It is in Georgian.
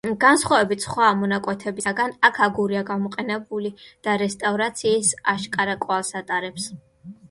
განსხვავებით სხვა მონაკვეთებისაგან აქ აგურია გამოყენებული და რესტავრაციის აშკარა კვალს ატარებს.